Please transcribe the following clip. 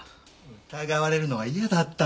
疑われるのが嫌だったんだよ。